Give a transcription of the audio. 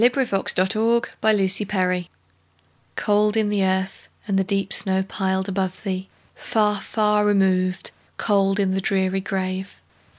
Emily Brontë Remembrance COLD in the earth, and the deep snow piled above thee! Far, far removed, cold in the dreary grave!